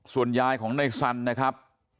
ส่วนยายของในสันนะครับ